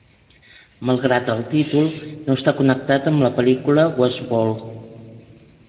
Malgrat el títol, no està connectat amb la pel·lícula "Westworld".